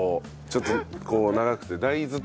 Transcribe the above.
ちょっとこう長くて大豆って。